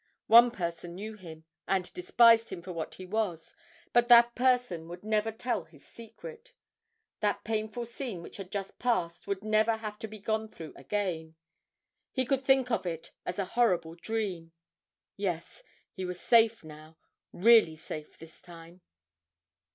One person knew him, and despised him for what he was; but that person would never tell his secret. That painful scene which had just passed would never have to be gone through again; he could think of it as a horrible dream. Yes, he was safe now, really safe this time.